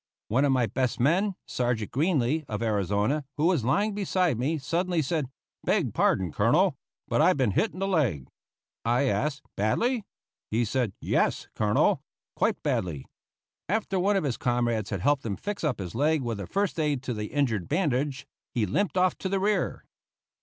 One of my best men, Sergeant Greenly, of Arizona, who was lying beside me, suddenly said, "Beg pardon, Colonel; but I've been hit in the leg." I asked, "Badly?" He said, "Yes, Colonel; quite badly." After one of his comrades had helped him fix up his leg with a first aid to the injured bandage, he limped off to the rear.